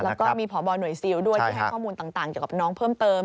แล้วก็มีพบหน่วยซิลด้วยที่ให้ข้อมูลต่างเกี่ยวกับน้องเพิ่มเติม